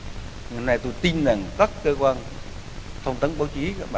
hôm nay tôi tin rằng các cơ quan thông tấn báo chí